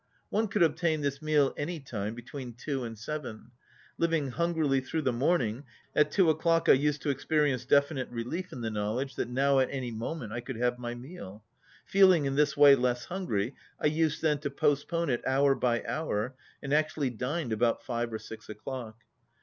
One could obtain this meal any time between two and seven. Living hungrily through the morning, at two o'clock I used to experience defi nite relief in the knowledge that now at any mo ment I could have my meal. Feeling in this way less hungry, I used then to postpone it hour by hour, and actually dined about five or six o'clock.